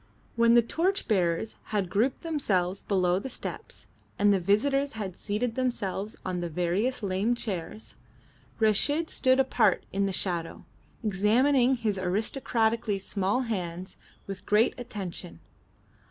When the torch bearers had grouped themselves below the steps, and the visitors had seated themselves on various lame chairs, Reshid stood apart in the shadow, examining his aristocratically small hands with great attention.